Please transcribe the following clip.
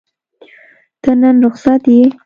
ته نن رخصت یې؟